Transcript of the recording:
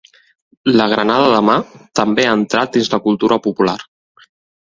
La granada de mà també ha entrat dins la cultura popular.